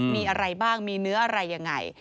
มีอะไรบ้างมีเนื้ออะไรยังไง